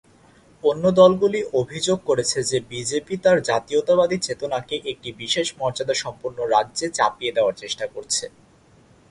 অন্য দলগুলি অভিযোগ করেছে যে বিজেপি তার জাতীয়তাবাদী চেতনাকে একটি বিশেষ মর্যাদা সম্পন্ন রাজ্যে চাপিয়ে দেওয়ার চেষ্টা করছে।